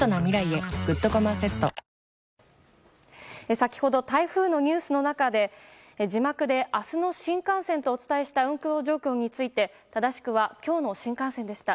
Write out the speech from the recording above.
先ほど台風のニュースの中で字幕で明日の新幹線とお伝えした運行状況について正しくは今日の新幹線でした。